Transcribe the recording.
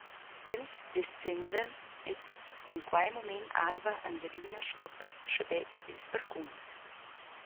Els descendan, ed en quei mument arva Angelina sco per schabetg ils barcuns.